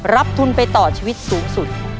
ทุนไปต่อชีวิตสูงสุด